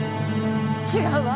違うわ！